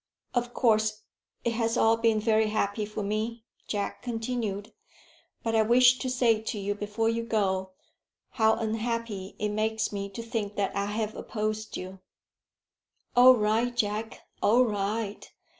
"Of course it has all been very happy for me," Jack continued; "but I wish to say to you before you go, how unhappy it makes me to think that I have opposed you." "All right, Jack; all right.